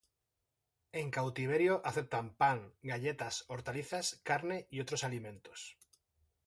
En cautiverio aceptan pan, galletas, hortalizas, carne y otros alimentos.